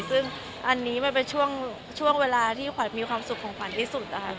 ซึ่งอันนี้มันเป็นช่วงเวลาที่ขวัญมีความสุขของขวัญที่สุดนะคะ